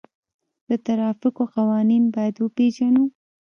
د ترافیکو قوانین باید وپیژنو.